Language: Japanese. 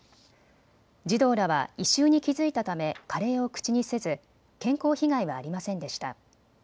児童らは異臭に気付いたためカレーを口にせず健康被害はありませんでした。